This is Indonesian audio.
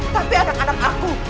tapi anak anak aku